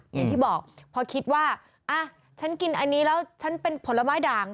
อย่างที่บอกพอคิดว่าอ่ะฉันกินอันนี้แล้วฉันเป็นผลไม้ด่าง